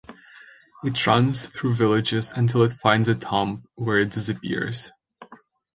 It runs through villages until it finds a tomb, where it disappears.